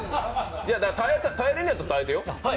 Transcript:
耐えられるんやったら耐えてよ。